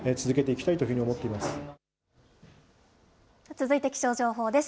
続いて気象情報です。